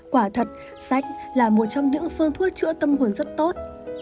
quả thật sách là một trong những phương thuốc chữa tâm hồn rất tốt